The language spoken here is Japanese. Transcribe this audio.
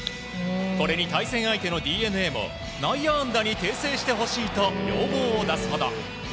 これに、対戦相手のＤｅＮＡも内野安打に訂正してほしいと要望を出すほど。